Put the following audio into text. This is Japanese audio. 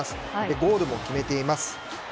ゴールも決めています。